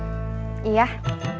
siapa nanti pisah